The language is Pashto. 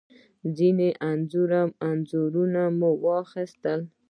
ځینې انځورونه مو واخیستل.